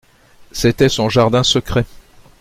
C’était son jardin secret.